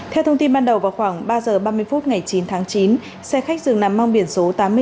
theo thông tin ban đầu vào khoảng ba h ba mươi phút ngày chín tháng chín xe khách dừng nằm mang biển số tám mươi sáu b một nghìn chín mươi hai